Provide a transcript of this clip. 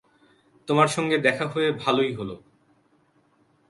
তোমার সঙ্গে দেখা হয়ে ভালেই হল।